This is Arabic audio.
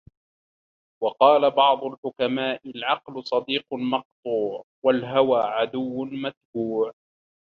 وَقَالَ بَعْضُ الْحُكَمَاءِ الْعَقْلُ صَدِيقٌ مَقْطُوعٌ ، وَالْهَوَى عَدُوٌّ مَتْبُوعٌ